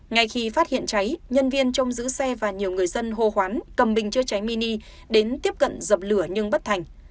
ngay khi phát hiện cháy nhân viên trong giữ xe và nhiều người dân hô hoán cầm bình chữa cháy mini đến tiếp cận dập lửa nhưng bất thành